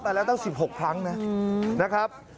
มาแล้วตั้ง๑๖ครั้งนะครับ